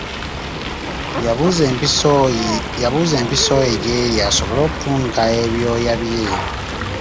Yabuuza empiso ye gy'eri asobole okutunga ebyoya bye.